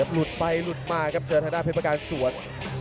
หลุดไปหลุดมาครับเจอทางด้านเพชรประการสวน